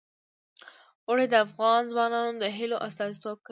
اوړي د افغان ځوانانو د هیلو استازیتوب کوي.